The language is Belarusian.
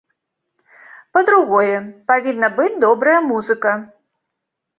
Па-другое, павінна быць добрая музыка.